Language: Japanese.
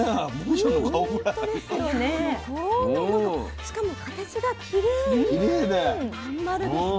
しかも形がきれいに真ん丸ですね。